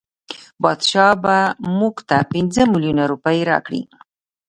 بادشاه به مونږ ته پنځه میلیونه روپۍ راکړي.